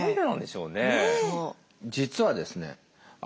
実はですね